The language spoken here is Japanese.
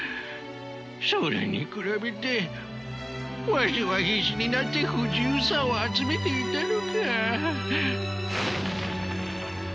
それに比べてわしは必死になって不自由さを集めていたのか。